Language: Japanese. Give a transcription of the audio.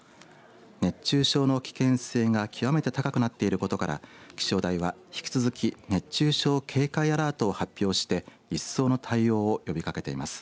熱中症の危険性が極めて高くなっていることから気象台は、引き続き熱中症警戒アラートを発表して一層の対応を呼びかけています。